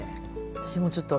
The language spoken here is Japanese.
私もちょっと。